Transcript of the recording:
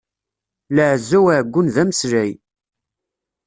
Lɛezza uɛeggun d ameslay.